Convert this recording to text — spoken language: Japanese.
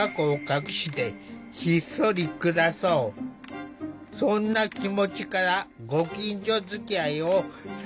そんな気持ちからご近所づきあいを避けてきた。